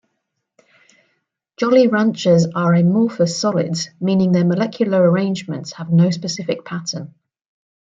Jolly ranchers are amorphous solids, meaning their molecular arrangements have no specific pattern.